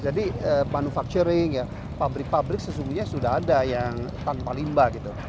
jadi manufacturing pabrik pabrik sesungguhnya sudah ada yang tanpa limbah gitu